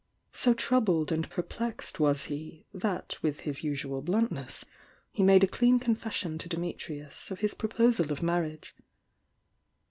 So trou bled and perplexed was he, that with his usual bluntness he made a clean confession to Dimitrius of his proposal of marriage.